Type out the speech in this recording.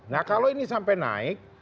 nah kalau ini sampai naik